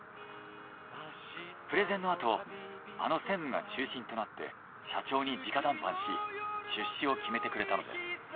プレゼンのあとあの専務が中心となって社長にじか談判し出資を決めてくれたのです。